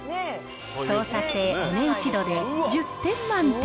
操作性、お値打ち度で１０点満点。